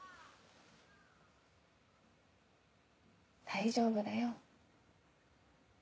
大丈夫だよ。